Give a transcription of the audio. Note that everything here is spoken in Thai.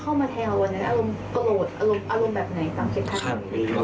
อารมณ์แบบไหนอาธิภาพที่เขามี